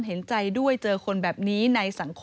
นี่เป็นคลิปวีดีโอจากคุณบอดี้บอยสว่างอร่อย